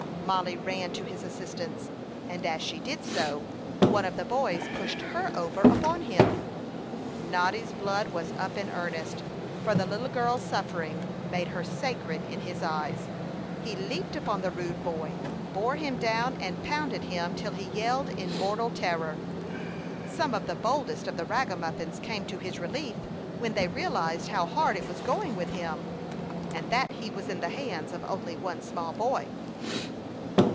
Mollie ran to his assistance; and as she did so, one of the boys pushed her over upon him. Noddy's blood was up in earnest, for the little girl's suffering made her sacred in his eyes. He leaped upon the rude boy, bore him down, and pounded him till he yelled in mortal terror. Some of the boldest of the ragamuffins came to his relief when they realized how hard it was going with him, and that he was in the hands of only one small boy.